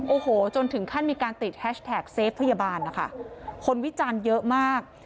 โอ้โหจนถึงขั้นมีการติดแฮชแท็กเซฟพยาบาลนะคะคนวิจารณ์เยอะมาก